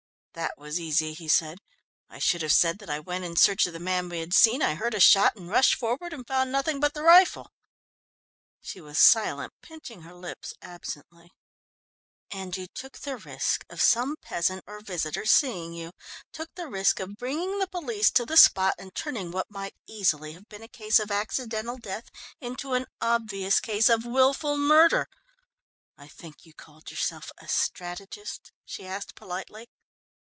"That was easy," he said. "I should have said that I went in search of the man we had seen, I heard a shot and rushed forward and found nothing but the rifle." She was silent, pinching her lips absently. "And you took the risk of some peasant or visitor seeing you took the risk of bringing the police to the spot and turning what might have easily been a case of accidental death into an obvious case of wilful murder. I think you called yourself a strategist," she asked politely.